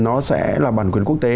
nó sẽ là bản quyền quốc tế